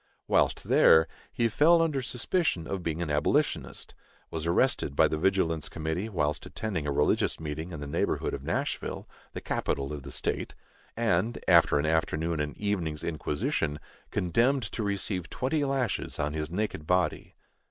Whilst there, he fell under suspicion of being an abolitionist, was arrested by the vigilance committee whilst attending a religious meeting in the neighborhood of Nashville, the capital of the state, and, after an afternoon and evening's inquisition, condemned to receive twenty lashes on his naked body.